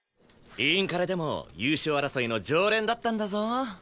インカレでも優勝争いの常連だったんだぞ！